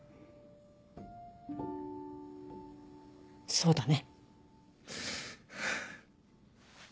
そうだね。